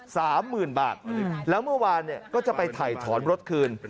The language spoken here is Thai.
สามหมื่นบาทแล้วเมื่อวานเนี่ยก็จะไปถ่ายถอนรถคืน